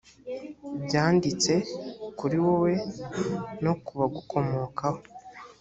byanditse kuri wowe no ku bagukomokaho